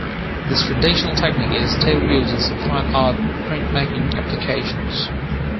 This traditional technique is still used in some fine art printmaking applications.